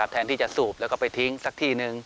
แทนที่จะสูบแล้วก็ไปทิ้งสักที่หนึ่ง